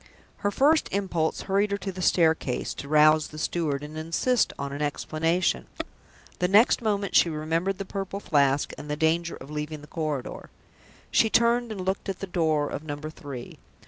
Her first impulse hurried her to the staircase door, to rouse the steward and insist on an explanation. The next moment she remembered the Purple Flask, and the danger of leaving the corridor. She turned, and looked at the door of Number Three.